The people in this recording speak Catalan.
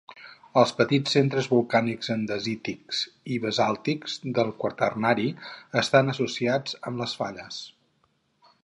Els petits centres volcànics andesítics i basàltics del Quaternari estan associats amb les falles.